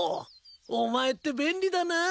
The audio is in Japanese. お前って便利だなぁ。